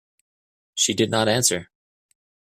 She did not answer.